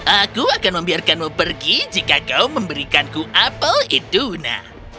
aku akan membiarkanmu pergi jika kau memberikanku apple iduna